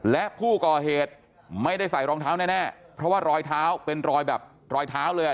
และผู้ก่อเหตุไม่ได้ใส่รองเท้าแน่เพราะว่ารอยเท้าเป็นรอยแบบรอยเท้าเลยอ่ะ